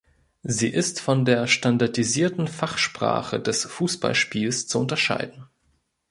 Sie ist von der standardisierten Fachsprache des Fußballspiels zu unterscheiden.